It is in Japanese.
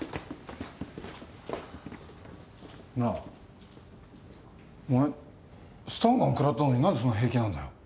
なあお前スタンガン食らったのに何でそんな平気なんだよ。